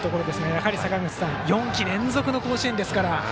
やはり４季連続の甲子園ですから。